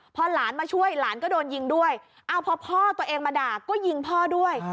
พอหลานมาช่วยหลานก็โดนยิงด้วยเอาพอพ่อตัวเองมาด่าก็ยิงพ่อด้วย